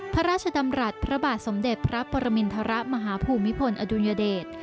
พระราชดำรัฐพระบาทสมเด็จพระปรมินทรมาฮภูมิพลอดุลยเดช